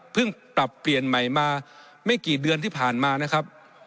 ปรับเปลี่ยนใหม่มาไม่กี่เดือนที่ผ่านมานะครับ